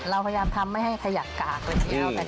เราพยายามทำไม่ให้ขยับกากเลยทีเดียว